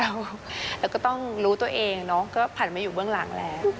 เราก็ต้องรู้ตัวเองเนาะก็ผ่านมาอยู่เบื้องหลังแล้ว